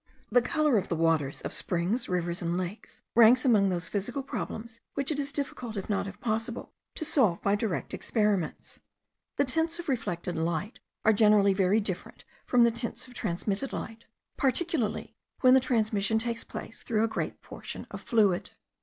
The colour of the waters of springs, rivers, and lakes, ranks among those physical problems which it is difficult, if not impossible, to solve by direct experiments. The tints of reflected light are generally very different from the tints of transmitted light; particularly when the transmission takes place through a great portion of fluid.